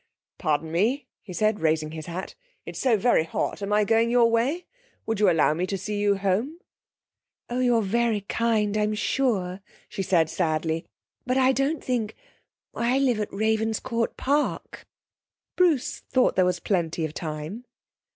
'Pardon me,' he said, raising his hat. 'It's so very hot am I going your way? Would you allow me to see you home?' 'Oh, you're very kind, I'm sure,' she said sadly. 'But I don't think I live at Ravenscourt Park.' Bruce thought there was plenty of time.